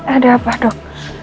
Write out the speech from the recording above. ada apa dok